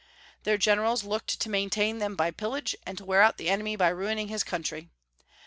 Their generals looked to maintain them by pillage, and to wear out the enemy by ruining his country.